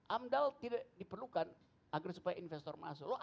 amdal tidak diperlukan agar supaya investor masuk